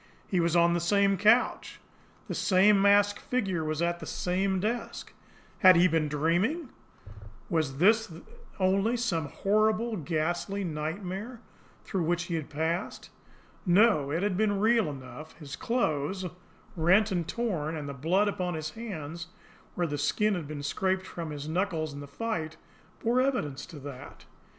He was on the same couch. The same masked figure was at the same desk. Had he been dreaming? Was this then only some horrible, ghastly nightmare through which he had passed? No, it had been real enough; his clothes, rent and torn, and the blood upon his hands, where the skin had been scraped from his knuckles in the fight, bore evidence to that.